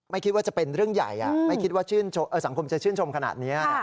คิดว่าจะเป็นเรื่องใหญ่ไม่คิดว่าสังคมจะชื่นชมขนาดนี้